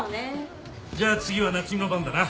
じゃあ次は夏海の番だな。